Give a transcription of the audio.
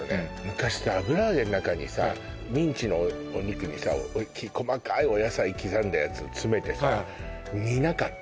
昔さ油揚げの中にさミンチのお肉にさ細かいお野菜刻んだやつを詰めてさ煮なかった？